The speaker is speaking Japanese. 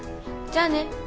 じゃあね。